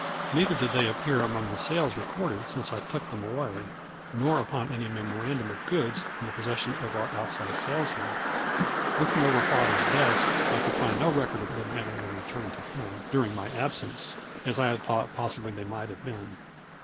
Neither did they appear among the sales recorded since I took them them away, nor upon any memorandum of goods in the possession of our outside sales men. Looking over father's desk, I could find no record of their having been returned to him, during my absence, as I had thought possibly they might have been.